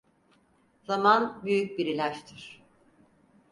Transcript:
Zaman, büyük bir ilaçtır.